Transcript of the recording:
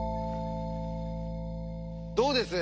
どうです？